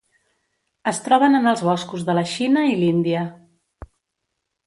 Es troben en els boscos de la Xina i l'Índia.